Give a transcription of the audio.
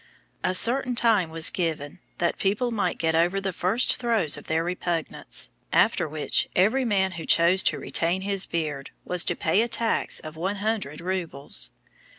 A certain time was given, that people might get over the first throes of their repugnance, after which every man who chose to retain his beard was to pay a tax of one hundred roubles.